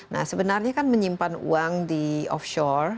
nah sebenarnya kan menyimpan uang di offshore